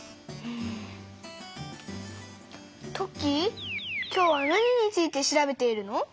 トッキー今日は何について調べているの？